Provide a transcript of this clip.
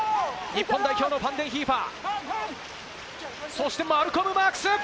日本代表のファンデンヒーファー、そしてマルコム・マークス。